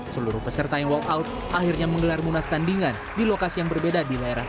seluruh peserta yang walkout akhirnya menggelar munas tandingan di lokasi yang berbeda di layar